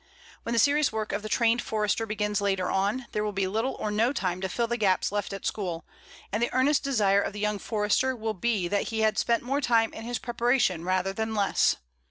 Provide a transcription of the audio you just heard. When the serious work of the trained Forester begins later on, there will be little or no time to fill the gaps left at school, and the earnest desire of the young Forester will be that he had spent more time in his preparation rather than less.